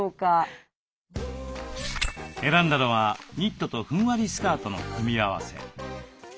選んだのはニットとふんわりスカートの組み合わせ。